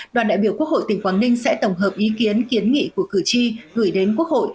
đoàn đại biểu quốc hội tỉnh quảng ninh sẽ tổng hợp ý kiến kiến nghị của cử tri gửi đến quốc hội